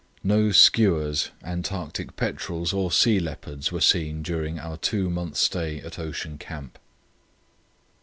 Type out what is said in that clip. No skuas, Antarctic petrels, or sea leopards were seen during our two months' stay at Ocean Camp.